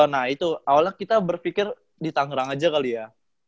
nah itu awalnya kita berpikir di tangerang aja kali ya